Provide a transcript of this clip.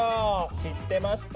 知ってました？